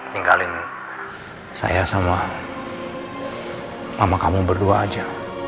tinggalin saya sama mama kamu berdua aja